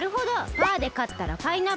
パーでかったらパイナップル。